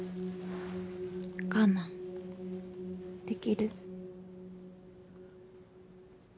我慢できる？